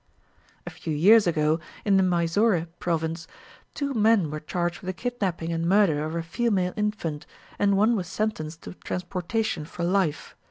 A few years ago, in the Mysore Province, two men were charged with the kidnapping and murder of a female infant, and one was sentenced to transportation for life.